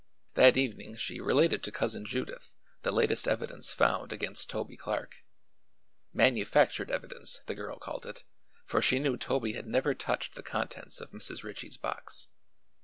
That evening she related to Cousin Judith the latest evidence found against Toby Clark; "manufactured evidence" the girl called it, for she knew Toby had never touched the contents of Mrs. Ritchie's box.